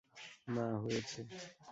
না, হয়েছে।